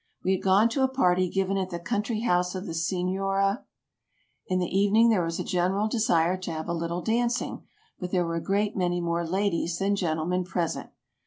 We had gone to a party given at the country house of the Senora ; in the evening there was a general desire to have a little dancing, but there were a great many more ladies than gentlemen present.